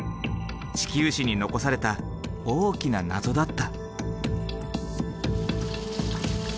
地球史に残された大きな謎だった。